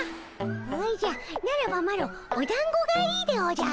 おじゃならばマロおだんごがいいでおじゃる。